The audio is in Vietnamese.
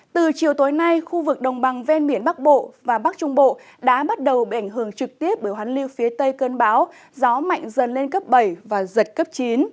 từ chiều tối nay khu vực đồng bằng ven biển bắc bộ và bắc trung bộ đã bắt đầu bị ảnh hưởng trực tiếp bởi hoán lưu phía tây cơn báo gió mạnh dần lên cấp bảy và giật cấp chín